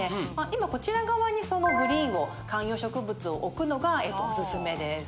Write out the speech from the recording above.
今こちら側にそのグリーンを観葉植物を置くのがおすすめです。